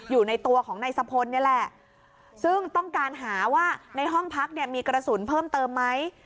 อยู่ในตัวของนายสะพลนี่แหละซึ่งต้องการหาว่าในห้องพักเนี่ยมีกระสุนเพิ่มเติมไหม